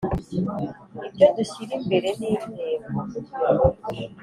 ibyo dushyira imbere n intego